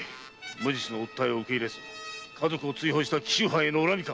無実の訴えを受け入れず家族を追放した藩への恨みか？